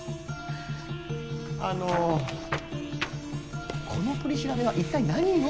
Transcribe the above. あのこの取調べは一体何を。